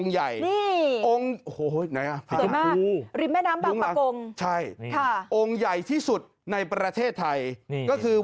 เหตัวอันนี้คือ